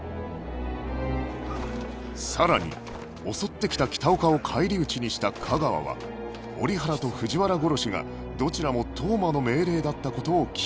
さらに襲ってきた北岡を返り討ちにした架川は折原と藤原殺しがどちらも当麻の命令だった事を聞き出す